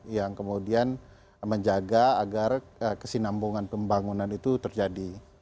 yang kemudian menjaga agar kesinambungan pembangunan itu terjadi